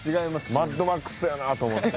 マッドマックスやなあと思って。